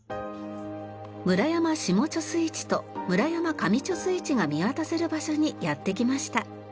村山下貯水池と村山上貯水池が見渡せる場所にやって来ました。